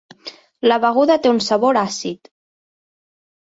La beguda té un sabor àcid.